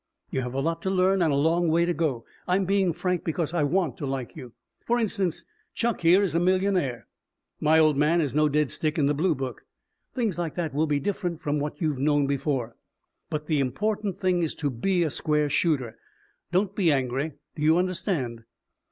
You have a lot to learn and a long way to go. I'm being frank because I want to like you. For instance, Chuck here is a millionaire. My old man is no dead stick in the Blue Book. Things like that will be different from what you've known before. But the important thing is to be a square shooter. Don't be angry. Do you understand?"